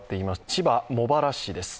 千葉・茂原市です。